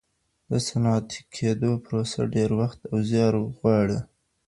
د صنعتي کيدو پروسه ډېر وخت او زیار غواړي.